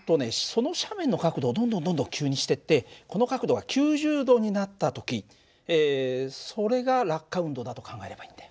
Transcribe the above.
その斜面の角度をどんどん急にしていってこの角度が９０度になった時それが落下運動だと考えればいいんだよ。